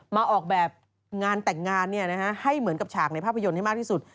มาออกแบบงานแต่งงานให้เหมือนกับฉากในภาพยนตร์ให้มากที่สุด